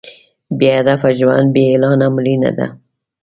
بې هدفه ژوند بې اعلانه مړینه ده.